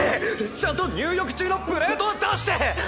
ちゃんと入浴中のプレートは出して。